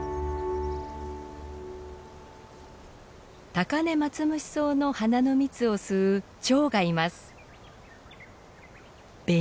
タカネマツムシソウの花の蜜を吸うチョウがいます。